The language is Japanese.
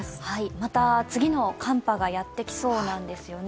また次の寒波がやってきそうなんですよね。